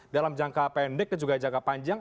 dalam jangka pendek dan juga jangka panjang